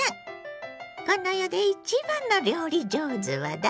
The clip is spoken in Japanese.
この世で一番の料理上手はだれ？